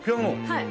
はい。